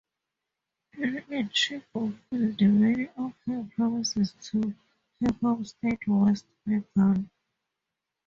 In it she fulfilled many of her promises to her home state West Bengal.